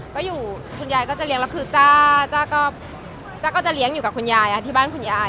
ก็อยู่คุณยายก็จะเลี้ยแล้วคือจ้าก็จ้าก็จะเลี้ยงอยู่กับคุณยายที่บ้านคุณยาย